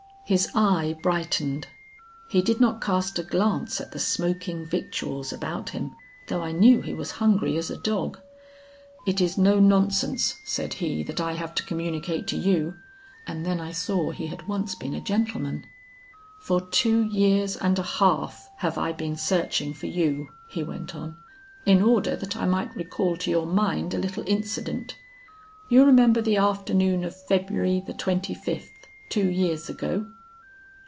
His eye brightened; he did not cast a glance at the smoking victuals about him, though I knew he was hungry as a dog. 'It is no nonsense,' said he, 'that I have to communicate to you.' And then I saw he had once been a gentleman. 'For two years and a half have I been searching for you,' he went on, 'in order that I might recall to your mind a little incident. You remember the afternoon of February, the twenty fifth, two years ago?'